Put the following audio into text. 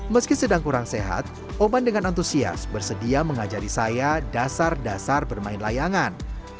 meski sedang kurang sehat oman dengan antusias bersedia mengajari saya dasar dasar bermain layangan